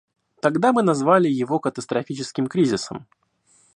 Тогда мы назвали его катастрофическим кризисом.